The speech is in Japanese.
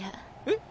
えっ？